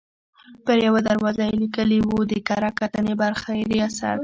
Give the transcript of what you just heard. پر یوه دروازه یې لیکلي وو: د کره کتنې برخې ریاست.